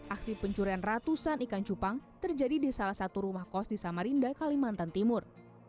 aksi pencurian ratusan ikan cupang terjadi di salah satu rumah kos di samarinda kalimantan timur